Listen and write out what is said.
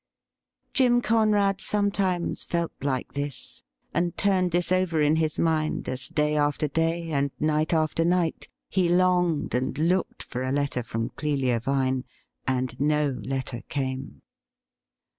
Jim Conrad sometimes felt like this, and turned this over in his mind as day after day, and night after night, he longed and looked for a letter from Clelia Vine, and no letter came.